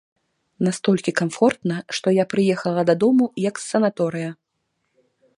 Настолькі камфортна, што я прыехала дадому, як з санаторыя.